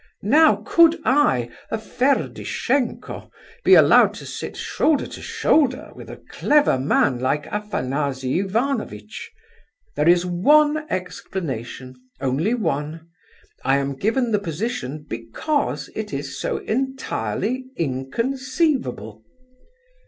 Now, could I, a Ferdishenko, be allowed to sit shoulder to shoulder with a clever man like Afanasy Ivanovitch? There is one explanation, only one. I am given the position because it is so entirely inconceivable!"